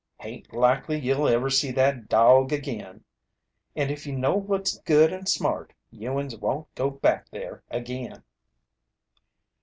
"Hain't likely you'll ever see that dawg agin. And if you know what's good 'n smart, you'uns won't go back there agin."